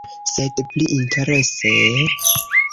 Sed pli interese...